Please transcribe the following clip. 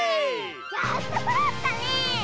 やっとそろったね！